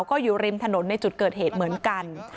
ก็อยู่ริมถนนในจุดเกิดเหตุเหมือนกัน